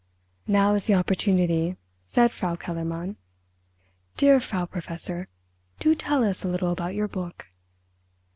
"Now is the opportunity," said Frau Kellermann. "Dear Frau Professor, do tell us a little about your book."